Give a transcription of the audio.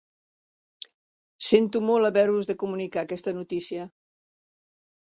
Sento molt haver-vos de comunicar aquesta notícia.